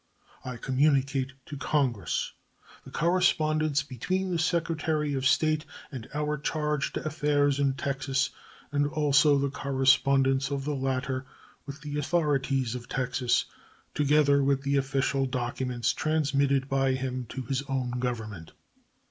I communicate to Congress the correspondence between the Secretary of State and our charge d'affaires in Texas, and also the correspondence of the latter with the authorities of Texas, together with the official documents transmitted by him to his own Government.